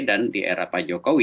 dan di era pak jokowi